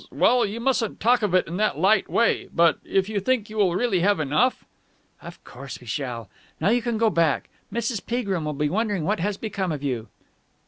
well, you mustn't talk of it in that light way. But, if you think you will really have enough...?" "Of course we shall. Now you can go back. Mrs. Peagrim will be wondering what has become of you."